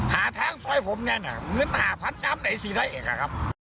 หาทางซอยผมเนี่ยนะเงินหาพันธุ์น้ำไหนสิละเอกอะครับ